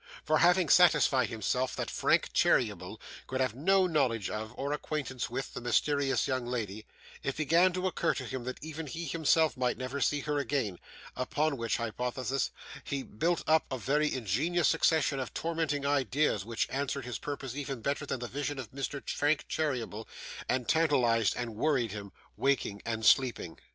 For, having satisfied himself that Frank Cheeryble could have no knowledge of, or acquaintance with, the mysterious young lady, it began to occur to him that even he himself might never see her again; upon which hypothesis he built up a very ingenious succession of tormenting ideas which answered his purpose even better than the vision of Mr. Frank Cheeryble, and tantalised and worried him, waking and sleeping.